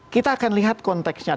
kita akan lihat konteksnya